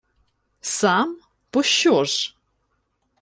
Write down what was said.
— Сам? Пощо ж?